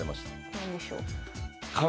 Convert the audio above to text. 何でしょう？